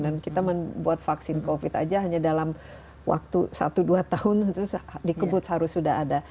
dan kita membuat vaksin covid aja hanya dalam waktu satu dua tahun terus dikebut harus sudah ada